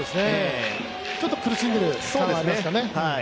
ちょっと苦しんでる感はありますかね。